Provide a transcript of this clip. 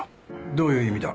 どういう意味だ？